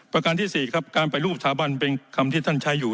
ประการที่๔ครับการไปรูปสถาบันเป็นคำที่ท่านใช้อยู่